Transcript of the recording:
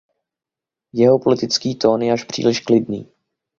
Jeho politický tón je až příliš klidný.